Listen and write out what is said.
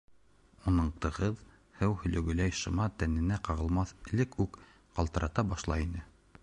Уның тығыҙ, һыу һөлөгөләй шыма тәненә ҡағылмаҫ элек үк ҡалтырата башлай ине.